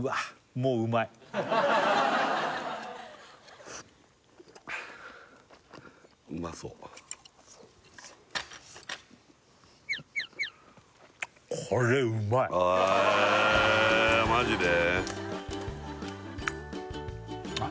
もううまいうまそうへえマジで？